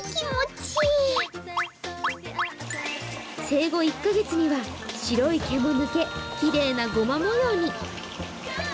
生後１カ月には白い毛も抜けきれいなごま模様に。